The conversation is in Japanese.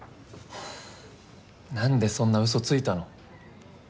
なんでそんな嘘ついたの？